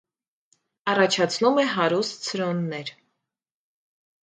Առաջացնում է հարուստ ցրոններ։